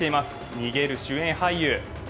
逃げる主演俳優。